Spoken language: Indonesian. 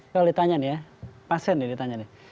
kalau ditanya nih ya pasien nih ditanya nih